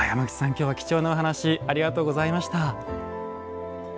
今日は貴重なお話ありがとうございました。